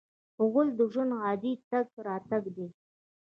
غول د ژوند عادي تګ راتګ دی.